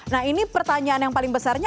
nah ini pertanyaan yang paling besarnya